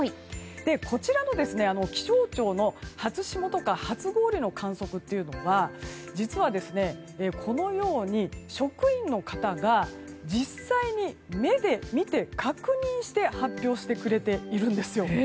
こちらの気象庁の初霜とか初氷の観測というのは実は、このように職員の方が実際に目で見て確認して発表してくれているんですよ。